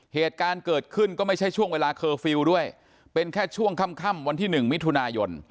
เหตุการณ์เกิดขึ้นก็ไม่ใช่ช่วงเวลาเคอร์ฟิลล์ด้วยเป็นแค่ช่วงค่ำวันที่๑มิถุนายน